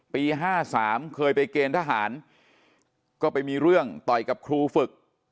๕๓เคยไปเกณฑ์ทหารก็ไปมีเรื่องต่อยกับครูฝึก